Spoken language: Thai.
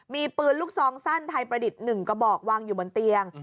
มีปืนลูกซองสั้นไทยประดิษฐ์๑กระบอกวางอยู่บนเตียง